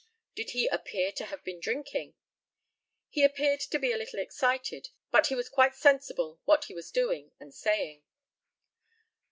Did he appear to have been drinking? He appeared to be a little excited, but he was quite sensible what he was doing and saying.